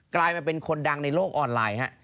กลายมาเป็นคนดังในโลกออนไลน์ฮะ